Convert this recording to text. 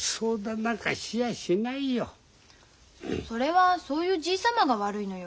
それはそういうじい様が悪いのよ。